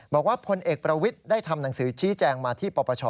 บอกว่าพลเอกประวิทย์ได้ทำหนังสือชี้แจงมาที่ปปช